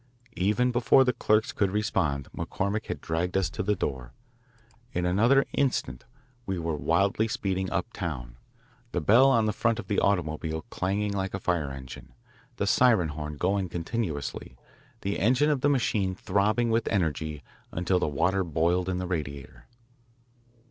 Even before the clerks could respond, McCormick had dragged us to the door. In another instant we were wildly speeding uptown, the bell on the front of the automobile clanging like a fire engine, the siren horn going continuously, the engine of the machine throbbing with energy until the water boiled in the radiator.